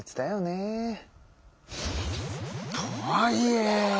とはいえ。